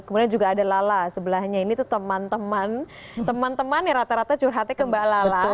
kemudian juga ada lala sebelahnya ini tuh teman teman teman yang rata rata curhatnya ke mbak lala